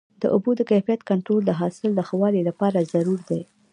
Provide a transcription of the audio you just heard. د اوبو د کیفیت کنټرول د حاصل د ښه والي لپاره ضروري دی.